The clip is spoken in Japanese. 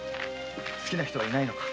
好きな女はいないのか？